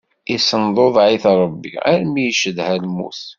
Issenḍuḍeɛ-it Ṛebbi armi iccedha lmut.